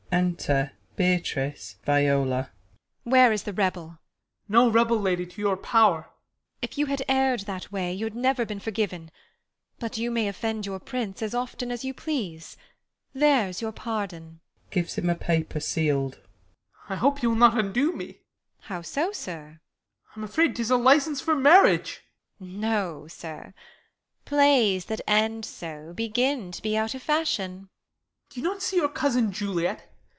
Enter Beatrice, Viola. Beat. Where is the rebel 1 Ben. No rebel, lady, to your pow'r. Beat. If you had err'd that way y'had never been Forgiven ; but you may offend your Prince As often as you please. There's your pardon ! [Gives him a 'pai^&r seold. Ben. I hope you will not undo me. Beat. How so, sir 1 Ben. I am afraid 'tis a licence for marriage. Beat. No, sir, plays that end so begin to be 208 THE LAW AGAINST LOVERS. Out of fasliioii. Ben. Do you not see your cousin Juliet